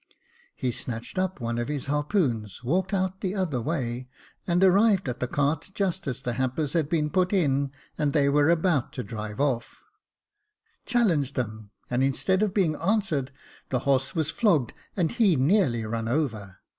He snatched up one of his harpoons, walked out the other way, and arrived at the cart just as the hampers had been put in, and they were about to drive off; challenged them, and instead of being answered, the horse was flogged, and he nearly run over.